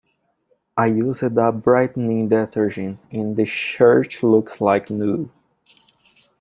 I used a brightening detergent and the shirt looks like new.